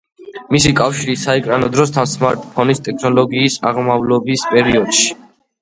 მისი კავშირი საეკრანო დროსთან სმარტფონის ტექნოლოგიის აღმავლობის პერიოდში“.